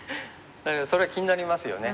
それは気になりますよね。